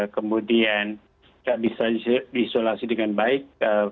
kemudian tidak bisa diisolasi dengan baik